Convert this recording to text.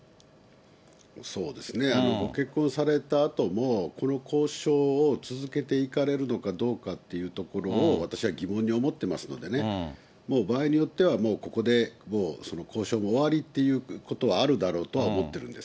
ご結婚されたあとも、この交渉を続けていかれるのかどうかっていうところを、私は疑問に思ってますのでね、もう場合によっては、もうここで、もう交渉も終わりっていうことはあるだろうとは思ってるんです。